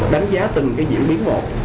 đánh giá từng diễn biến một